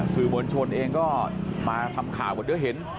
สื่อบัญชนเองก็มาทำข่าวก่อนเดี๋ยวเห็น